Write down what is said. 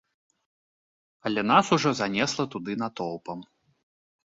Але нас ужо занесла туды натоўпам.